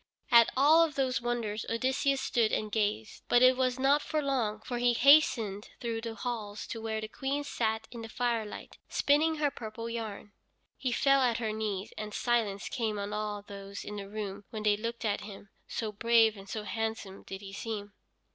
At all of those wonders Odysseus stood and gazed, but it was not for long; for he hastened through the halls to where the Queen sat in the firelight, spinning her purple yarn. He fell at her knees, and silence came on all those in the room when they looked at him, so brave and so handsome did he seem.